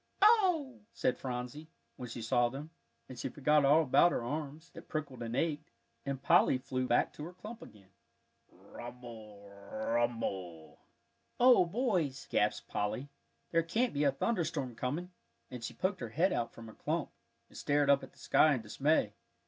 "Ooh!" said Phronsie, when she saw them; and she forgot all about her arms, that prickled and ached, and Polly flew back to her clump again. Rumble rumble! "Oh, boys!" gasped Polly, "there can't be a thunder storm coming!" and she poked her head out from her clump, and stared up at the sky in dismay.